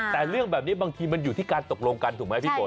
แต่เรื่องแบบนี้บางทีมันอยู่ที่การตกลงกันถูกไหมพี่ฝน